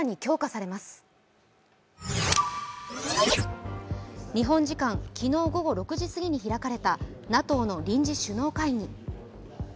日本時間昨日午後６時過ぎに開かれたＮＡＴＯの臨時首脳会議。